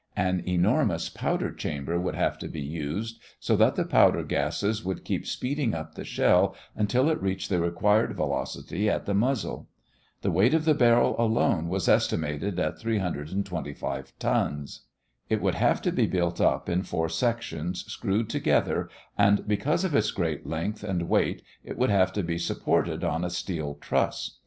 An enormous powder chamber would have to be used, so that the powder gases would keep speeding up the shell until it reached the required velocity at the muzzle. The weight of the barrel alone was estimated at 325 tons. It would have to be built up in four sections screwed together and because of its great length and weight it would have to be supported on a steel truss.